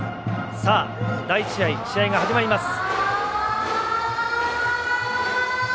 第１試合試合が始まりました。